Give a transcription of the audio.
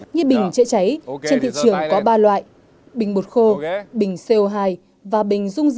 như bình chữa cháy trên thị trường có ba loại bình bột khô bình co hai và bình rung